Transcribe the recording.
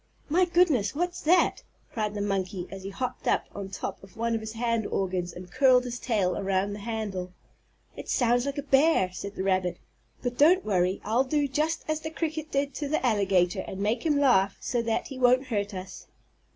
"My goodness! What's that?" cried the monkey as he hopped up on top of one of his hand organs and curled his tail around the handle. "It sounds like a bear!" said the rabbit. "But don't worry. I'll do just as the cricket did to the alligator and make him laugh so that he won't hurt us."